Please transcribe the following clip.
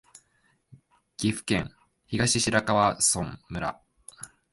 岐阜県東白川村